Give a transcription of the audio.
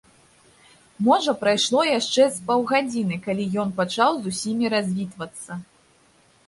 Можа, прайшло яшчэ з паўгадзіны, калі ён пачаў з усімі развітвацца.